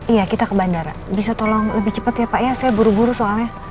iya kita ke bandara bisa tolong lebih cepat ya pak ya saya buru buru soalnya